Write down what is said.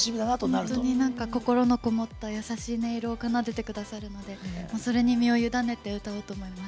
本当に心のこもった優しい音色を奏でてくださるのでそれに身を委ねて歌おうと思います。